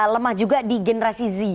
lemah juga di generasi z